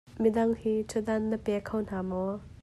Midang hi ṭhudan na pe kho hna maw?